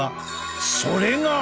それが。